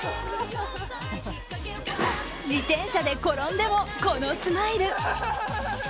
自転車で転んでもこのスマイル。